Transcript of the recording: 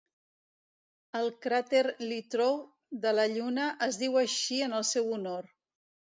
El cràter Littrow de la Lluna es diu així en el seu honor.